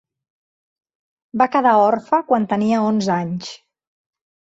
Va quedar orfe quan tenia onze anys.